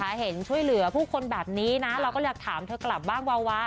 เออเห็นช่วยเหลือเราเรียกถามเธอกลับบ้างวาววา